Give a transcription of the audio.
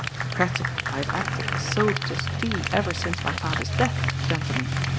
Practically I have acted as sole trustee ever since my father's death, gentlemen.